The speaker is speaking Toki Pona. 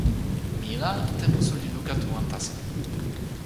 mi la tenpo suli luka tu wan taso.